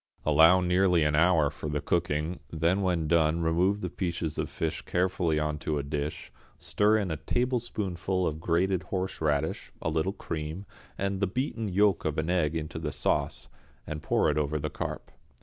Allow nearly an hour for the cooking, then when done remove the pieces of fish carefully on to a dish, stir in a tablespoonful of grated horseradish, a little cream, and the beaten yolk of an egg into the sauce, and pour it over the carp.